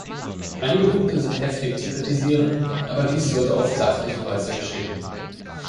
Einige Punkte sind heftig zu kritisieren, aber dies sollte auf sachliche Weise geschehen.